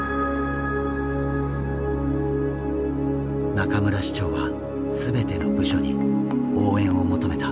中村師長は全ての部署に応援を求めた。